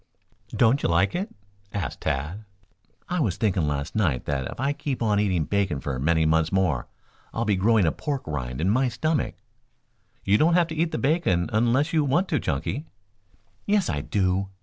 "Don't you like it?" asked Tad. "I was thinking last night that if I keep on eating bacon for many months more I'll be growing a pork rind in my stomach." "You don't have to eat the bacon unless you want to, Chunky." "Yes, I do.